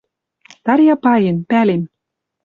Тарья паен, пӓлем».